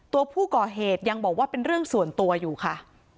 ตัวผู้ก่อเหตุยังบอกว่าเป็นเรื่องส่วนตัวอยู่ค่ะ